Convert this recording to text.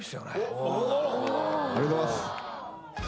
ありがとうございます！